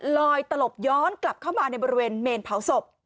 ตลบย้อนกลับเข้ามาในบริเวณเมนเผาศพ